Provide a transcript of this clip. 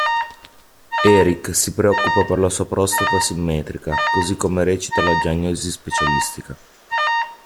Eric si preoccupa per la sua prostata asimmetrica, così come recita la diagnosi specialistica.